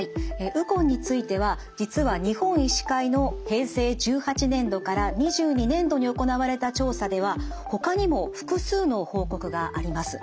ウコンについては実は日本医師会の平成１８年度から２２年度に行われた調査ではほかにも複数の報告があります。